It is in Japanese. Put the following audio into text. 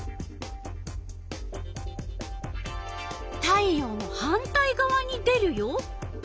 太陽の反対がわに出るよ。